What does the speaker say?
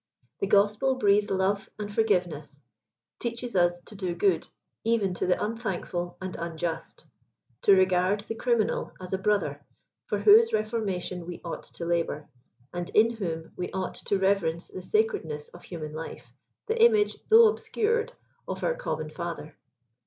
The Gospel breathes love and forgiveness, teaches us to do good even to the unthankful and unjust, to regard the criminal as a brother for whose reformation we ought to labor, and in whom we ought to reverence the sacred ness of human life, the image — though obscured — of our common Father.